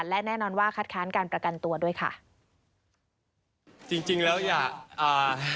และแน่นอนว่าคัดค้านการประกันตัวด้วยค่ะจริงจริงแล้วอย่าอ่า